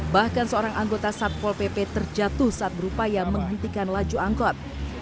bahkan seorang anggota satpol pp terjatuh saat berupaya menghentikan laju angkot